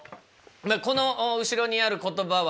この後ろにある言葉はですね